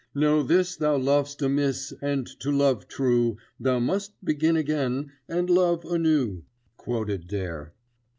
"Know this thou lov'st amiss and to love true, Thou must begin again and love anew," quoted Dare.